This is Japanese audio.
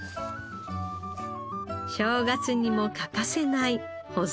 正月にも欠かせない保存食です。